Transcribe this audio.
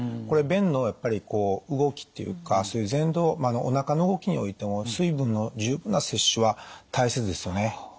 これ便のやっぱり動きっていうかそういうぜんどうおなかの動きにおいても水分の十分な摂取は大切ですよね。